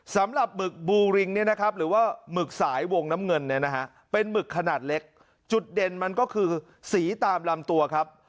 หมึกบูริงเนี่ยนะครับหรือว่าหมึกสายวงน้ำเงินเนี่ยนะฮะเป็นหมึกขนาดเล็กจุดเด่นมันก็คือสีตามลำตัวครับ